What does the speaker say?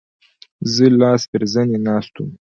زه لاس تر زنې ناست وم.